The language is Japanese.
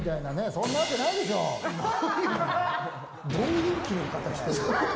そんなわけないでしょう。